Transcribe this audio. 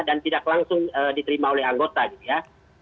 dan tidak langsung diterima oleh anggota gitu ya